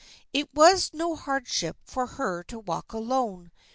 It was no hardship for her to walk alone.